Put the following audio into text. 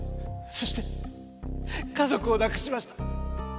そして家族を亡くしました。